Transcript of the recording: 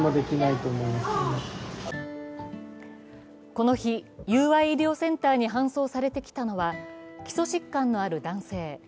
この日、友愛医療センターに搬送されてきたのは基礎疾患のある男性。